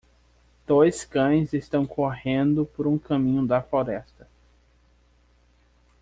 Dois cães estão correndo por um caminho da floresta.